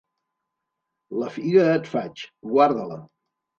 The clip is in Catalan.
La figa et faig; guarda-la!